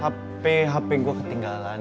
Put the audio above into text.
hp hp gue ketinggalan